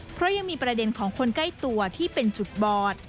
เพราะยังมีประเด็นของคนใกล้ตัวที่เป็นจุดบอด